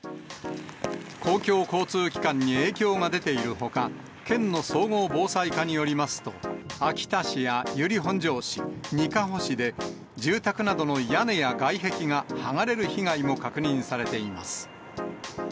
公共交通機関に影響が出ているほか、県の総合防災課によりますと、秋田市や由利本荘市、にかほ市で、住宅などの屋根や外壁が剥がれる被害も確認されています。